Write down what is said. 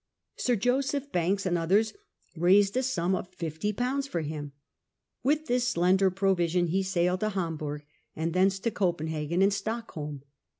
Sir Joseph Banks and others raised a sum of fifty pounds for him. With this slender provision he sailed to Hamburg, and thence to Copenhagen and Stockholm.